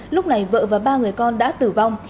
lúc này vợ và ba người con đã tử vong